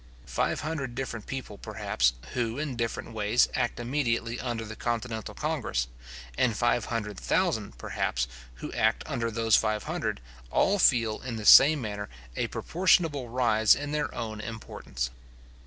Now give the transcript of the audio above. Five hundred different people, perhaps, who, in different ways, act immediately under the continental congress, and five hundred thousand, perhaps, who act under those five hundred, all feel, in the same manner, a proportionable rise in their own importance.